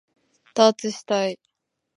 ダーツしたい